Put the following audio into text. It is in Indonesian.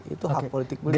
itu hak politik beliau